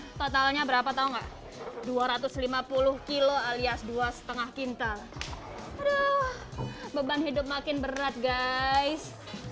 ini totalnya berapa tahu nggak dua ratus lima puluh kilo alias dua lima kintal aduh beban hidup makin berat guys